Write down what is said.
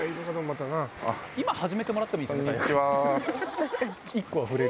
今始めてもらってもいいですよね最悪。